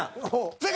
正解。